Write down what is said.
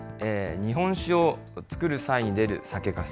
日本酒を造る際に出る酒かす。